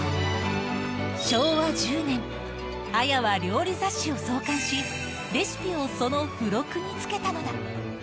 昭和１０年、綾は料理雑誌を創刊し、レシピをその付録につけたのだ。